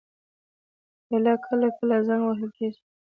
پیاله کله کله زنګ وهل کېږي.